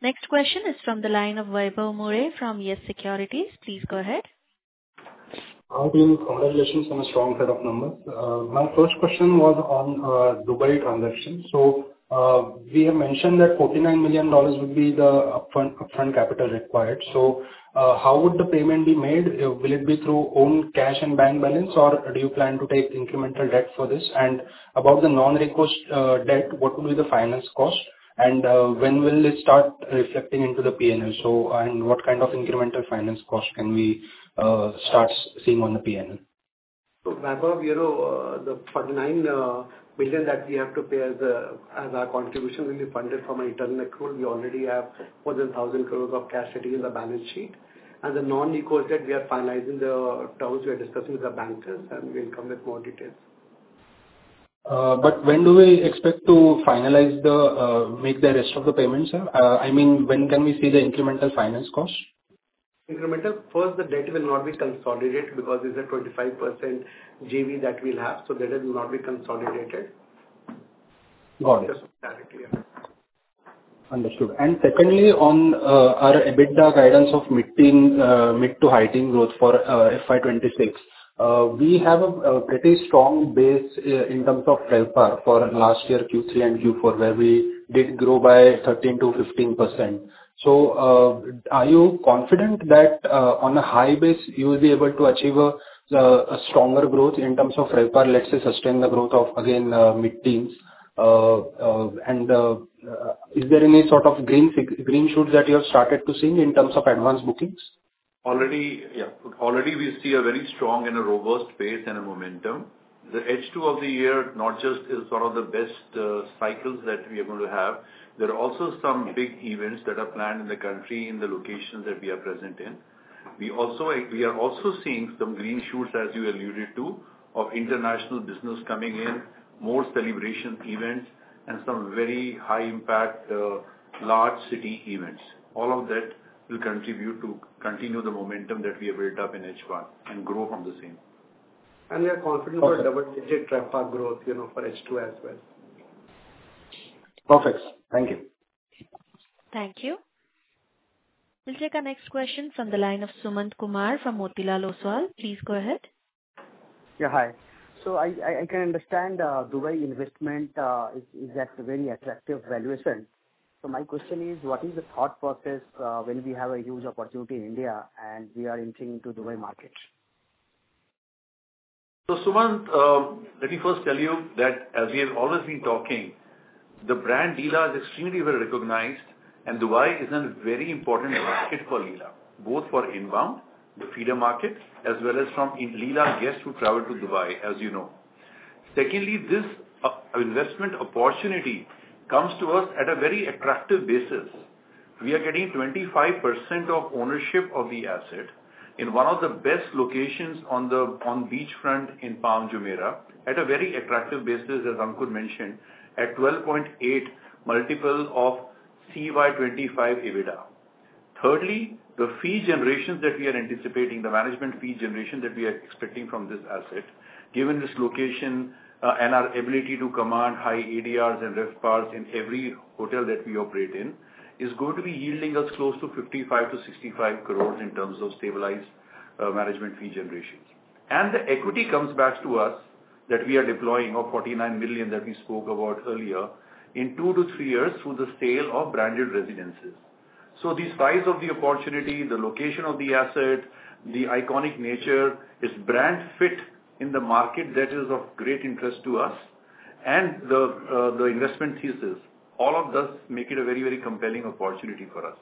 S1: Next question is from the line of Vibhav Muley from Yes Securities. Please go ahead.
S11: Congratulations on a strong set of numbers. My first question was on Dubai transaction. So we have mentioned that $49 million would be the upfront capital required. So how would the payment be made? Will it be through own cash and bank balance, or do you plan to take incremental debt for this? And about the non-recourse debt, what would be the finance cost, and when will it start reflecting into the P&L? And what kind of incremental finance cost can we start seeing on the P&L?
S4: So Vibhav, the $49 million that we have to pay as our contribution will be funded from an internal accrual. We already have more than 1,000 crores of cash sitting in the balance sheet. And the non-recourse debt, we are finalizing the terms we are discussing with the bankers, and we'll come with more details.
S11: But when do we expect to finalize and make the rest of the payments? I mean, when can we see the incremental finance cost?
S4: Incremental? First, the debt will not be consolidated because there's a 25% JV that we'll have, so the debt will not be consolidated.
S11: Got it. Understood. And secondly, on our EBITDA guidance of mid-to high-teens growth for FY26, we have a pretty strong base in terms of RevPAR for last year, Q3 and Q4, where we did grow by 13%-15%. So are you confident that on a high base, you will be able to achieve a stronger growth in terms of RevPAR? Let's say sustain the growth of, again, mid-teens. And is there any sort of green shoots that you have started to see in terms of advance bookings?
S3: Already, yeah. Already, we see a very strong and a robust pace and a momentum. The H2 of the year not just is one of the best cycles that we are going to have. There are also some big events that are planned in the country, in the locations that we are present in. We are also seeing some green shoots, as you alluded to, of international business coming in, more celebration events, and some very high-impact large city events. All of that will contribute to continue the momentum that we have built up in H1 and grow from the same. We are confident for double-digit RevPAR growth for H2 as well.
S11: Perfect. Thank you.
S1: Thank you. We'll take our next question from the line of Sumant Kumar from Motilal Oswal. Please go ahead.
S12: Yeah. Hi. So I can understand Dubai investment is at a very attractive valuation. So my question is, what is the thought process when we have a huge opportunity in India and we are entering into the Dubai market?
S3: So Sumant, let me first tell you that as we have always been talking, the brand Leela is extremely well recognized, and Dubai is a very important market for Leela, both for inbound, the feeder market, as well as from Leela guests who travel to Dubai, as you know. Secondly, this investment opportunity comes to us at a very attractive basis. We are getting 25% of ownership of the asset in one of the best locations on the beachfront in Palm Jumeirah at a very attractive basis, as Ankur mentioned, at 12.8 multiple of CY25 EBITDA. Thirdly, the fee generations that we are anticipating, the management fee generation that we are expecting from this asset, given this location and our ability to command high ADRs and RevPARs in every hotel that we operate in, is going to be yielding us close to 55-65 crores in terms of stabilized management fee generations, and the equity comes back to us that we are deploying of $49 million that we spoke about earlier in two to three years through the sale of branded residences, so these size of the opportunity, the location of the asset, the iconic nature, its brand fit in the market that is of great interest to us, and the investment thesis, all of those make it a very, very compelling opportunity for us,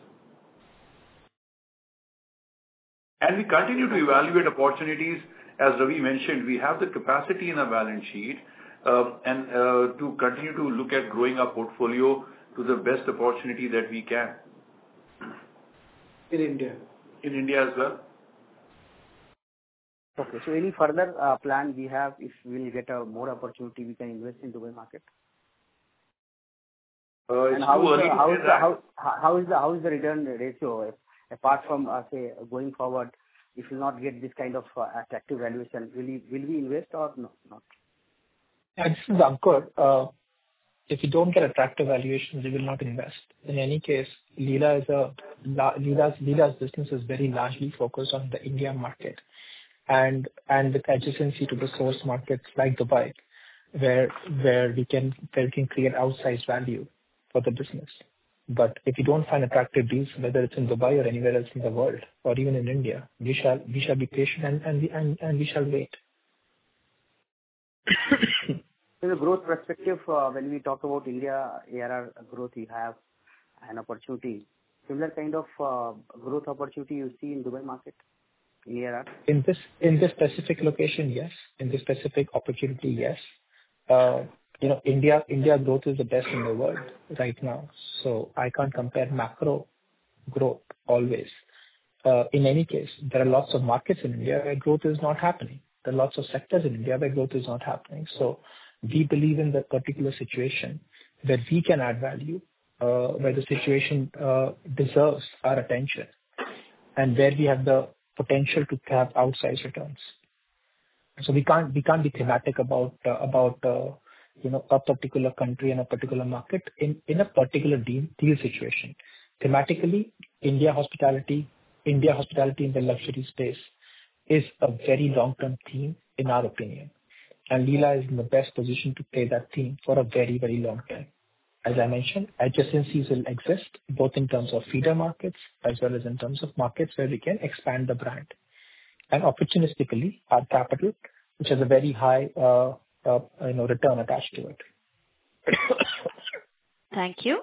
S3: and we continue to evaluate opportunities. As Ravi mentioned, we have the capacity in our balance sheet to continue to look at growing our portfolio to the best opportunity that we can.
S12: In India?
S3: In India as well.
S12: Okay. So any further plan we have, if we'll get more opportunity, we can invest in the Dubai market? How is the return ratio? Apart from, say, going forward, if we'll not get this kind of attractive valuation, will we invest or not? This is Ankur. If we don't get attractive valuations, we will not invest. In any case, Leela's business is very largely focused on the Indian market and the adjacency to the source markets like Dubai, where we can create outsized value for the business. But if you don't find attractive deals, whether it's in Dubai or anywhere else in the world or even in India, we shall be patient and we shall wait.
S13: In the growth perspective, when we talk about India ARR growth, we have an opportunity. Similar kind of growth opportunity you see in Dubai market in ARR? In this specific location, yes. In this specific opportunity, yes. India growth is the best in the world right now, so I can't compare macro growth always. In any case, there are lots of markets in India where growth is not happening. There are lots of sectors in India where growth is not happening. So we believe in the particular situation where we can add value, where the situation deserves our attention, and where we have the potential to have outsized returns. So we can't be thematic about a particular country and a particular market in a particular deal situation. Thematically, India hospitality in the luxury space is a very long-term theme, in our opinion, and Leela is in the best position to play that theme for a very, very long time. As I mentioned, adjacencies will exist both in terms of feeder markets as well as in terms of markets where we can expand the brand. And opportunistically, our capital, which has a very high return attached to it.
S1: Thank you.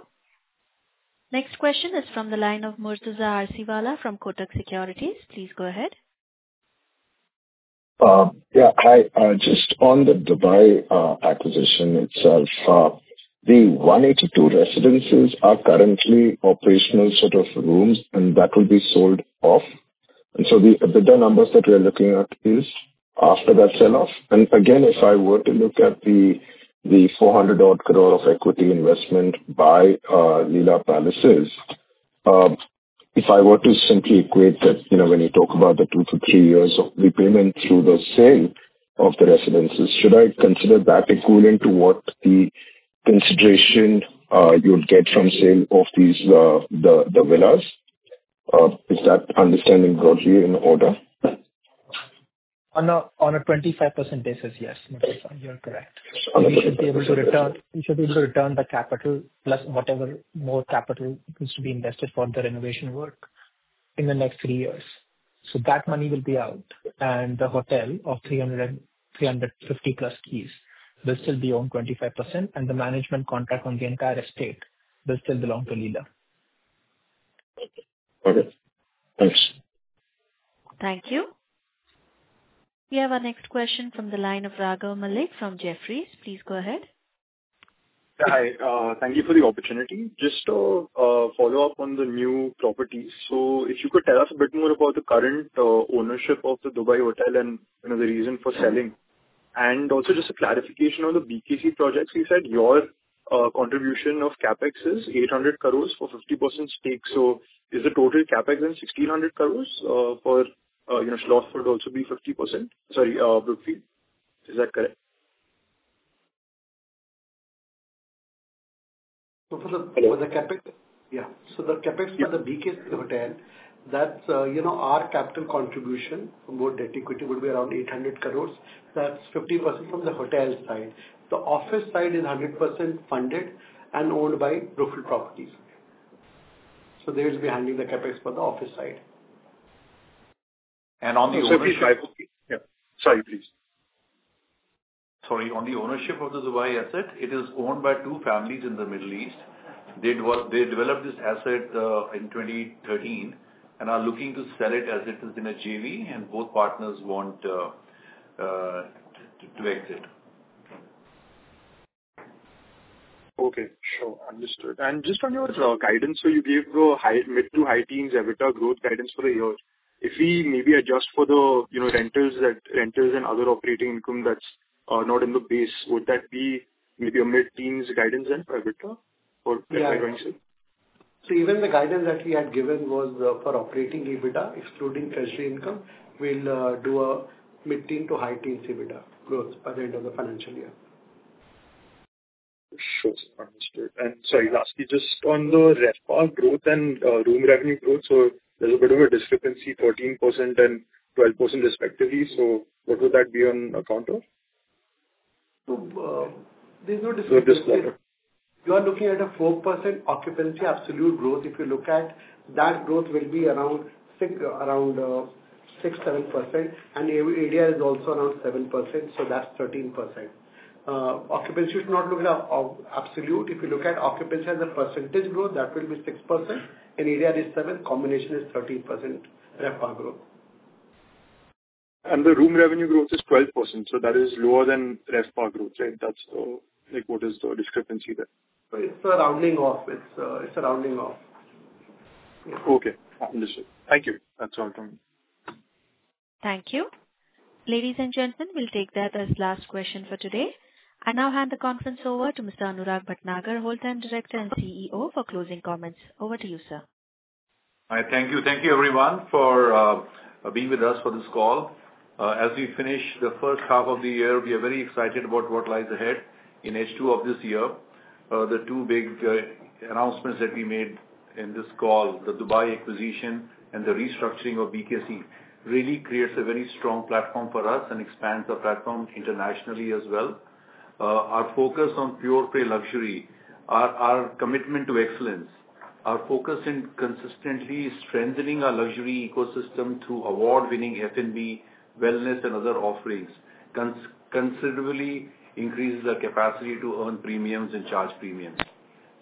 S1: Next question is from the line of Murtuza Arsiwalla from Kotak Securities. Please go ahead.
S14: Yeah. Hi. Just on the Dubai acquisition itself, the 182 residences are currently operational sort of rooms, and that will be sold off. And so the EBITDA numbers that we are looking at is after that sell-off. Again, if I were to look at the 400-odd crore of equity investment by Leela Palaces, if I were to simply equate that when you talk about the two to three years of repayment through the sale of the residences, should I consider that equivalent to what the consideration you'll get from sale of the villas? Is that understanding broadly in order? On a 25% basis, yes. You're correct. We should be able to return the capital plus whatever more capital needs to be invested for the renovation work in the next three years. So that money will be out, and the hotel of +350 keys will still be owned 25%, and the management contract on the entire estate will still belong to Leela. Got it. Thanks.
S1: Thank you. We have our next question from the line of Raghav Malik from Jefferies. Please go ahead.
S15: Hi. Thank you for the opportunity. Just to follow up on the new properties. So if you could tell us a bit more about the current ownership of the Dubai hotel and the reason for selling. And also just a clarification on the BKC projects. You said your contribution of CapEx is 800 crores for 50% stake. So is the total CapEx then 1,600 crores for slots for it to also be 50%? Sorry, Brookfield. Is that correct? For the CapEx?
S4: Yeah. So the CapEx for the BKC hotel, that's our capital contribution for both debt equity would be around 800 crores. That's 50% from the hotel side. The office side is 100% funded and owned by Brookfield Properties. So they will be handling the CapEx for the office side.
S3: And on the ownership of the-
S4: Sorry, please.
S3: Sorry. On the ownership of the Dubai asset, it is owned by two families in the Middle East. They developed this asset in 2013 and are looking to sell it as it as in a JV, and both partners want to exit.
S15: Okay. Sure. Understood. And just on your guidance, so you gave the mid-to-high-teens EBITDA growth guidance for the year. If we maybe adjust for the rentals and other operating income that's not in the base, would that be maybe a mid-teens guidance then for EBITDA or going straight?
S4: Yeah. So even the guidance that we had given was for operating EBITDA, excluding treasury income. We'll do a mid-to-high-teens EBITDA growth by the end of the financial year.
S15: Sure. Understood. And sorry, lastly, just on the RevPAR growth and room revenue growth, so there's a bit of a discrepancy: 13% and 12% respectively. So what would that be on account of?
S4: There's no discrepancy. You are looking at a 4% occupancy absolute growth. If you look at that growth, it will be around 6-7%. And ADR is also around 7%, so that's 13%. Occupancy should not look at absolute. If you look at occupancy as a percentage growth, that will be 6%. In ADR, it is 7%. Combination is 13% RevPAR growth.
S15: And the room revenue growth is 12%, so that is lower than RevPAR growth, right? That's what is the discrepancy there?
S4: It's a rounding off. It's a rounding off.
S15: Okay. Understood. Thank you. That's all from me.
S1: Thank you. Ladies and gentlemen, we'll take that as last question for today. I now hand the conference over to Mr. Anurag Bhatnagar, Whole-time Director and CEO, for closing comments. Over to you, sir.
S3: Hi. Thank you. Thank you, everyone, for being with us for this call. As we finish the first half of the year, we are very excited about what lies ahead in H2 of this year. The two big announcements that we made in this call, the Dubai acquisition and the restructuring of BKC, really creates a very strong platform for us and expands our platform internationally as well. Our focus on pure-play luxury, our commitment to excellence, our focus in consistently strengthening our luxury ecosystem through award-winning F&B, wellness, and other offerings considerably increases our capacity to earn premiums and charge premiums.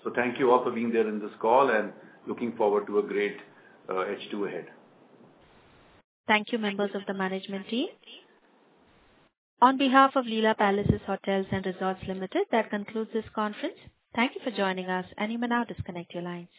S3: So thank you all for being there in this call, and looking forward to a great H2 ahead. Thank you, members of the management team.
S1: On behalf of Leela Palaces, Hotels and Resorts Limited, that concludes this conference. Thank you for joining us, and you may now disconnect your lines.